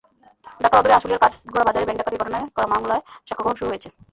ঢাকার অদূরে আশুলিয়ার কাঠগড়া বাজারে ব্যাংক ডাকাতির ঘটনায় করা মামলায় সাক্ষ্যগ্রহণ শুরু হয়েছে।